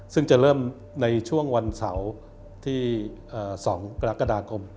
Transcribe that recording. ซึ่งจะเริ่มในช่วงวันเสาร์ที่๒กรกฎาคม